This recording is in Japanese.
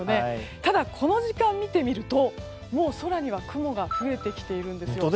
ただ、この時間を見てみるともう雲が増えてきています。